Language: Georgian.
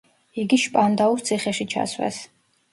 იგი შპანდაუს ციხეში ჩასვეს.